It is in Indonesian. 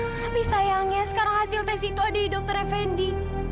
tapi sayangnya sekarang hasil tes itu ada di dokter effendi